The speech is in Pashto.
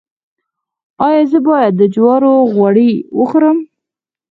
ایا زه باید د جوارو غوړي وخورم؟